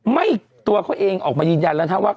ตัวเขาเองออกมายืนยันแล้วนะว่า